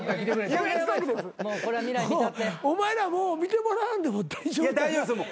お前らもう見てもらわんでも。